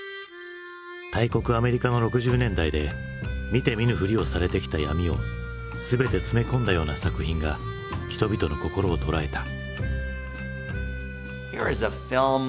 大国アメリカの６０年代で見て見ぬふりをされてきた闇を全て詰め込んだような作品が人々の心を捉えた。